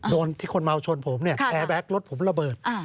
โดนที่คนเมาชนผมเนี่ยแอร์แบ็ครถผมระเบิด